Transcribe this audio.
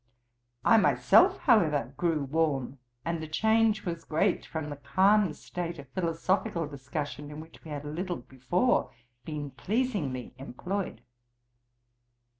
I myself, however, grew warm, and the change was great, from the calm state of philosophical discussion in which we had a little before been pleasingly employed.